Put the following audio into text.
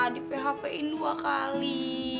di php in dua kali